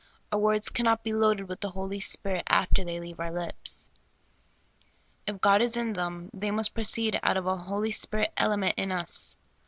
Our words cannot be loaded with the the Holy Spirit after they leave our lips. If God is in them, they must proceed out of a Holy Spirit element in us.